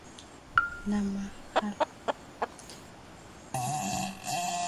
na mafahali na majivu ya ndama ya ngombe waliyonyunyiziwa wenye uchafu hutakasa hata kuusafisha